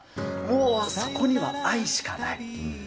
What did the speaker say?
もうあそこには愛しかない。